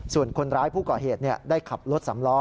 ส่วนคนร้ายผู้ก่อเหตุได้ขับรถสำล้อ